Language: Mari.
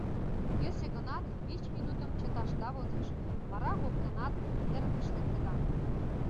Йӧсӧ гынат, вич минутым чыташда возеш, вара коктынат эрыкыш лектыда...